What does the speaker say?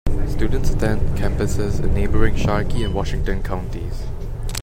Students attend campuses in neighboring Sharkey and Washington counties.